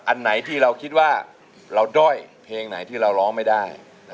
อันไหนที่เราคิดว่าเราด้อยเพลงไหนที่เราร้องไม่ได้